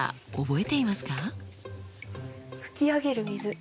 噴き上げる水。